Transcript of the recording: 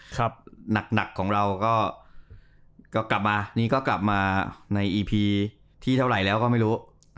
หนักของเราก็กลับมานี่ก็กลับมาในอีพีที่เท่าไหร่แล้วก็ไม่รู้